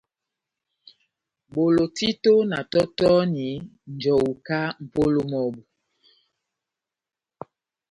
Bolo títo na tɔtɔhɔni njɔwu kahá mʼpolo mɔ́bu.